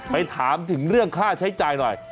ไปถามถึงเรื่องค่าใช้จ่ายหน่อย